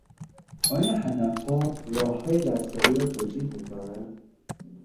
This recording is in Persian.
آیا هدفها راههای دستیابی را توجیه می کنند؟